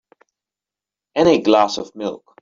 And a glass of milk.